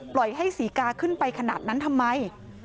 ให้ศรีกาขึ้นไปขนาดนั้นทำไม